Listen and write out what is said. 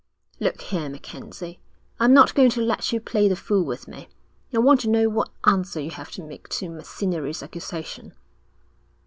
'Look here, MacKenzie, I'm not going to let you play the fool with me. I want to know what answer you have to make to Macinnery's accusation.'